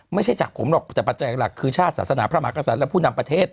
ไม่ใช่จากผมหรอกแต่ปัจจัยหลักคือชาติศาสนาพระมหากษัตริย์และผู้นำประเทศ